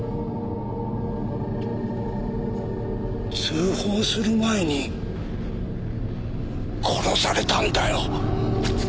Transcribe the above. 通報する前に殺されたんだよ。